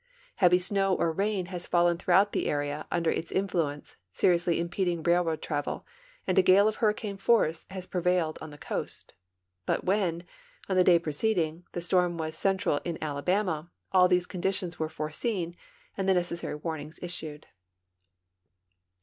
Heavy snow or rain has fallen througliout the area under its influence, seriously impeding railroad travel, and a gale of hurricane force has prevailed on the coast. But when, on the day preceding, the storm was central in Alabama all these conditions were foreseen and the necessary warnings issued.